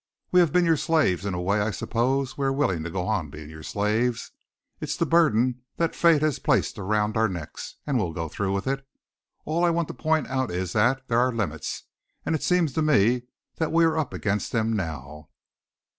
We have been your slaves; in a way I suppose we are willing to go on being your slaves. It's the burden that Fate has placed around our necks, and we'll go through with it. All I want to point out is that there are limits, and it seems to me that we are up against them now."